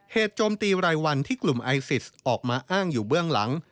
โจมตีรายวันที่กลุ่มไอซิสออกมาอ้างอยู่เบื้องหลัง